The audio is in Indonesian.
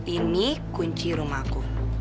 ini kunci rumahku